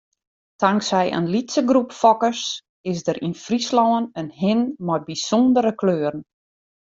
Tanksij in lytse groep fokkers is der yn Fryslân in hin mei bysûndere kleuren.